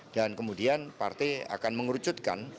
dan kemudian parti akan mengerucutkan